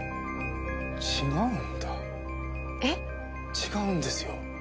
違うんですよ。